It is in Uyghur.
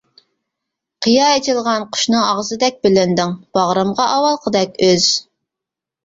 قىيا ئېچىلغان قۇشنىڭ ئاغزىدەك بىلىندىڭ باغرىمغا ئاۋۋالقىدەك ئۆز.